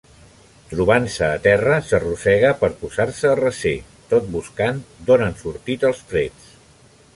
Trobant-se a terra, s'arrossega per posar-se a recer, tot buscant d'on han sortit els trets.